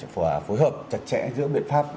và phối hợp chặt chẽ giữa biện pháp